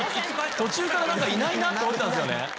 途中からなんかいないなって思ってたんですよね。